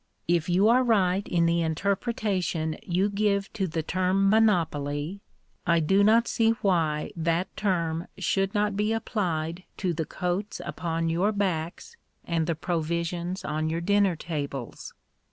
If you are right in the interpre tation you give to the term ' monopoly/ I do not see why that term should not be applied to the coats upon your backs and the provisions on your dinner tables.